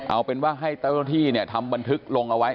เอาเป็นว่าให้เจ้าหน้าที่เนี่ยทำบันทึกลงเอาไว้